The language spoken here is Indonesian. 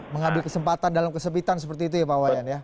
mengambil kesempatan dalam kesepitan seperti itu ya pak wayan ya